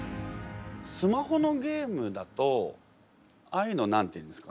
スマホのゲームだとああいうの何て言うんですか？